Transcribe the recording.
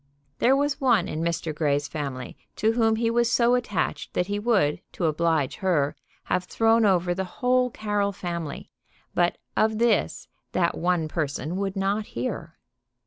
There was one in Mr. Grey's family to whom he was so attached that he would, to oblige her, have thrown over the whole Carroll family; but of this that one person would not hear.